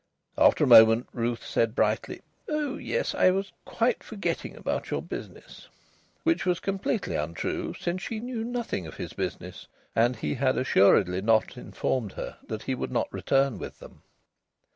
After a moment, Ruth said brightly: "Oh yes! I was quite forgetting about your business." Which was completely untrue, since she knew nothing of his business, and he had assuredly not informed her that he would not return with them.